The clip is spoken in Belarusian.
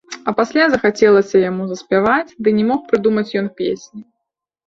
А пасля захацелася яму заспяваць, ды не мог прыдумаць ён песні.